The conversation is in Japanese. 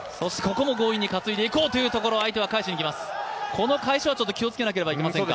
この返しは気をつけなければいけませんか？